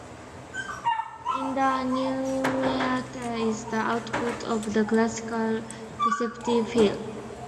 In the numerator is the output of the classical receptive field.